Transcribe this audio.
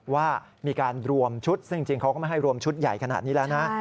ว่ามีการรวมชุดซึ่งจริงเขาก็ไม่ให้รวมชุดใหญ่ขนาดนี้แล้วนะ